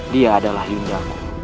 dia adalah yunda